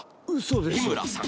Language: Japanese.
日村さん